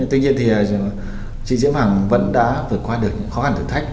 tuy nhiên thì chị diễm hoàng vẫn đã vượt qua được những khó khăn thử thách